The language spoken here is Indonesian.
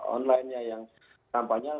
online nya yang tampaknya